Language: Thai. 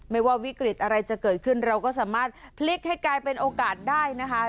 ว่าวิกฤตอะไรจะเกิดขึ้นเราก็สามารถพลิกให้กลายเป็นโอกาสได้นะคะ